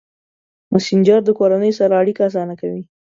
مسېنجر د کورنۍ سره اړیکه اسانه کوي.